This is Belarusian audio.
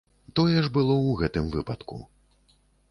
Тое ж было ў гэтым выпадку.